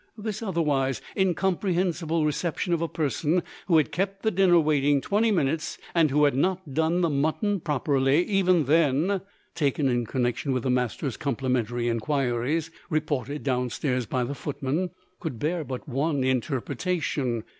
This otherwise incomprehensible reception of a person who had kept the dinner waiting twenty minutes, and who had not done the mutton properly even then (taken in connection with the master's complimentary inquiries, reported downstairs by the footman), could bear but one interpretation.